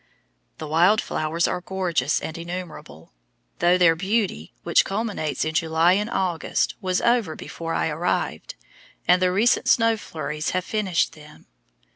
The wild flowers are gorgeous and innumerable, though their beauty, which culminates in July and August, was over before I arrived, and the recent snow flurries have finished them.